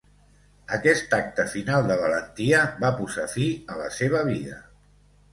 Aquest acte final de valentia va posar fi a la seva vida.